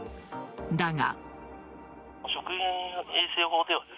だが。